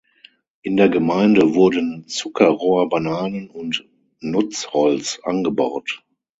In der Gemeinde wurden Zuckerrohr, Bananen und Nutzholz angebaut.